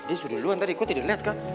dia sudah duluan tadi kok tidak dilihat